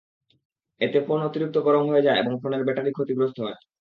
এতে ফোন অতিরিক্ত গরম হয়ে যায় এবং ফোনের ব্যাটারির ক্ষতি হয়।